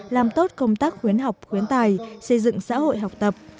làm tốt công tác khuyến học khuyến tài xây dựng xã hội học tập